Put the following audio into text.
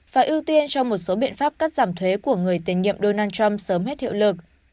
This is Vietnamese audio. và ưu tiên cho một số biện pháp cắt giảm thuế của người tiền nhiệm donald trump sớm hết hiệu lực